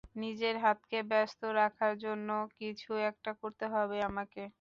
নিজের হাতকে ব্যস্ত রাখার জন্য কিছু একটা করতে হবে আমাকে।